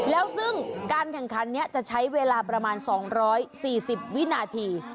แล้วซึ่งการแข่งขันนี้จะใช้เวลาประมาณ๒๔๐วินาที